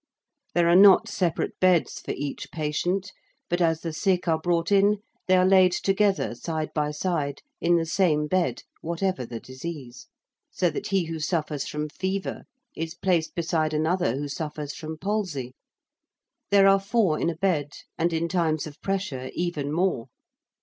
There are not separate beds for each patient, but as the sick are brought in they are laid together side by side, in the same bed, whatever the disease, so that he who suffers from fever is placed beside another who suffers from palsy. There are four in a bed, and in times of pressure even more.